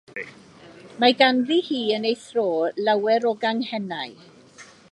Mae ganddi hi yn ei thro lawer o ganghennau.